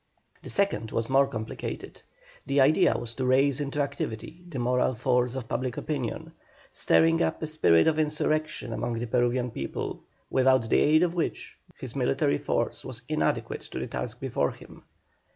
The second was more complicated. The idea was to raise into activity the moral force of public opinion, stirring up a spirit of insurrection among the Peruvian people, without the aid of which his military force was inadequate to the task before it.